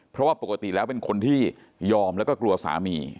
เพราะว่าปกติแล้วเป็นคนที่ยอมแล้วก็กลัวสามี